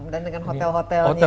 dan dengan hotel hotelnya